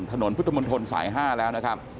ถนนพุทธมนตรสาย๕แล้วนะครับ